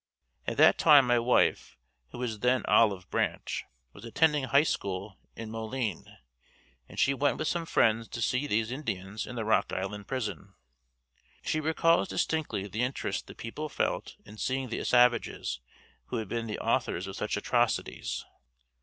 At that time my wife who was then Olive Branch, was attending High School in Moline, and she went with some friends to see these Indians in the Rock Island prison. She recalls distinctly the interest the people felt in seeing the savages who had been the authors of such atrocities.